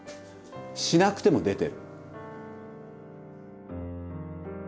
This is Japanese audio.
しなくても出てる。